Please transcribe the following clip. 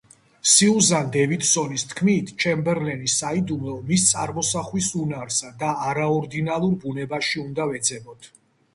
სიუზან დევიდსონის თქმით ჩემბერლენის საიდუმლო მის წარმოსახვის უნარსა და არაორდინალურ ბუნებაში უნდა ვეძებოთ.